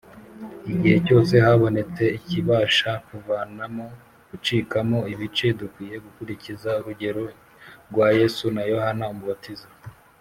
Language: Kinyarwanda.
Igihe cyose habonetse ikibasha kuvamo gucikamo ibice, dukwiye gukurikiza urugero rwa Yesu na Yohana Umubatiza.